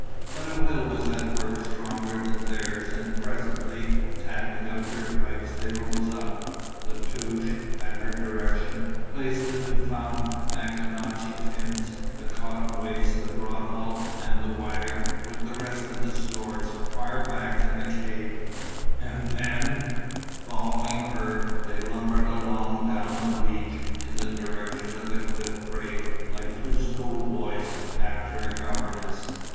But a will was at work stronger than theirs and presently, tapping out their pipes, they rose up. La Touche, at her direction, placed the new found Maconochie tins, the cotton waste, the bradawl and wire with the rest of the stores, far back in the cave, and then, following her, they lumbered along down the beach in the direction of the cliff break like two schoolboys after a governess.